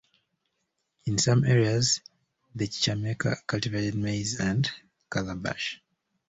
In some areas, the Chichimeca cultivated maize and calabash.